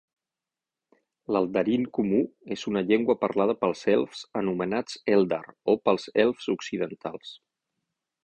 L'eldarin comú és una llengua parlada pels elfs anomenats Èldar o pels elfs occidentals.